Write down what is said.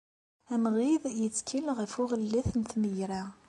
Amɣid yettkel ɣef uɣellet n tmegra.